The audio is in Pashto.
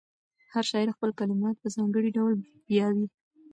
هر شاعر خپل کلمات په ځانګړي ډول پیوياي.